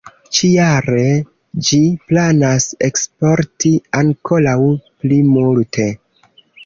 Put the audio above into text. Ĉi-jare ĝi planas eksporti ankoraŭ pli multe.